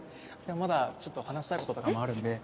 まだちょっと話したいこととかもあるんで